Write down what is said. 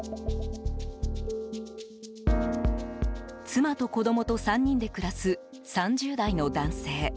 妻と子供と３人で暮らす３０代の男性。